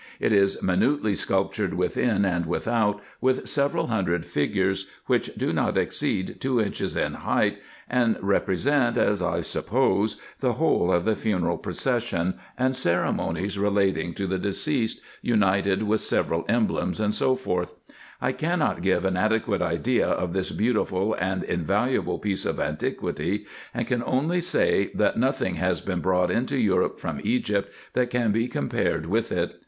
It is minutely sculptured within and with out with several hundred figures, which do not exceed two inches in height, and represent, as I suppose, the whole of the funeral procession and ceremonies relating to the deceased, united with several emblems, &c. I cannot give an adequate idea of this beautiful and invaluable piece of antiquity, and can only say, that nothing has been brought into Europe from Egypt that can be compared with it.